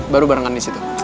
baru barengan di situ